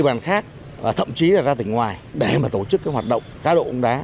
các địa bàn khác và thậm chí là ra tỉnh ngoài để mà tổ chức cái hoạt động cá độ cũng đá